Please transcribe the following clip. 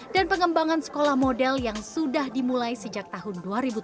dan pengembangan sekolah model yang sudah dimulai sejak tahun dua ribu tujuh belas